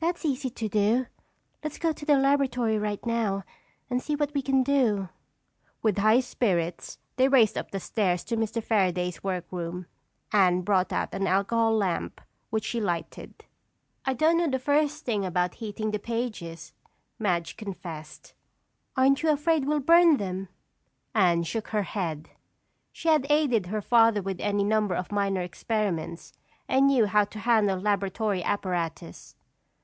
"That's easy to do. Let's go to the laboratory right now and see what we can do." With high spirits they raced up the stairs to Mr. Fairaday's workroom. Anne brought out an alcohol lamp which she lighted. "I don't know the first thing about heating the pages," Madge confessed. "Aren't you afraid we'll burn them?" Anne shook her head. She had aided her father with any number of minor experiments and knew how to handle laboratory apparatus.